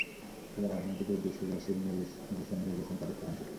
এবার আবাহনীতে যোগ দিয়ে সেই ওসেই মরিসনই হয়ে গেছেন তাদের প্রধান শত্রু।